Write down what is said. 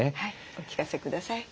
お聞かせください。